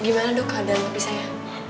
gimana dok keadaan hobi saya